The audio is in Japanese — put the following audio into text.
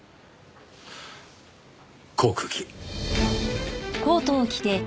航空機！